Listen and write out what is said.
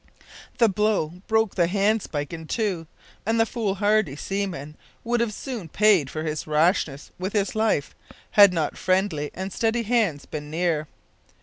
The blow broke the handspike in two, and the fool hardy seaman would soon have paid for his rashness with his life had not friendly and steady hands been near.